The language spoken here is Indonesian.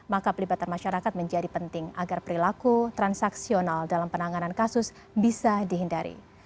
maka pelibatan masyarakat menjadi penting agar perilaku transaksional dalam penanganan kasus bisa dihindari